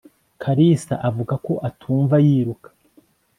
kalisa avuga ko atumva yiruka